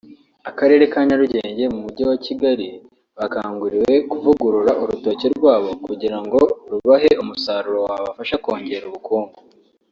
Akarere ka Nyarugenge mu mujyi wa Kigali bakanguriwe kuvugurura urutoki rwabo kugira ngo rubahe umusaruro wabafasha kongera ubukungu